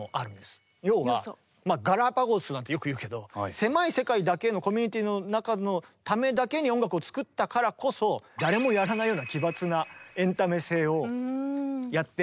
要はガラパゴスなんてよく言うけど狭い世界だけのコミュニティーの中のためだけに音楽を作ったからこそ誰もやらないような奇抜なエンタメ性をやっていってしまった。